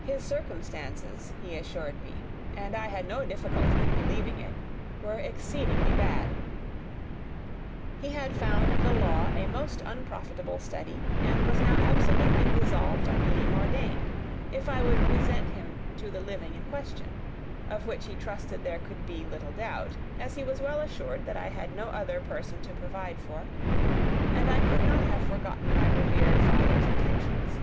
His circumstances, he assured me, and I had no difficulty in believing it, were exceedingly bad. He had found the law a most unprofitable study, and was now absolutely resolved on being ordained, if I would present him to the living in question of which he trusted there could be little doubt, as he was well assured that I had no other person to provide for, and I could not have forgotten my revered father's intentions.